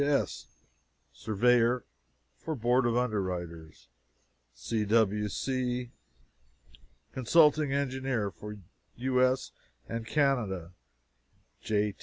W. S* , Surveyor for Board of Underwriters C. W. C, Consulting Engineer for U.S. and Canada J.